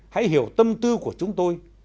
hãy hiểu tâm tư của chúng tôi